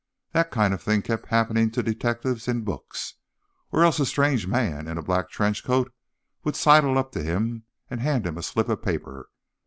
That kind of thing kept happening to detectives in books. Or else a strange man in a black trenchcoat would sidle up to him and hand him a slip of paper.